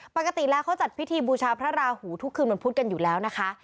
ปกติแล้วเขาจัดพิธีบูชาพระราหูทุกคืนวันพุธกันอยู่แล้วนะคะ